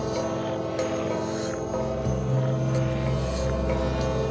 ยังไงไอหัวน้ำดับ